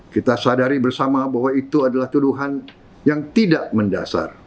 kita sadari bersama bahwa itu adalah tuduhan yang tidak mendasar